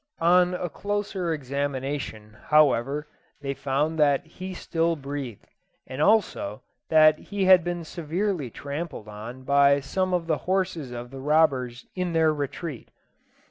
On a closer examination, however, they found that he still breathed, and also that he had been severely trampled on by some of the horses of the robbers in their retreat.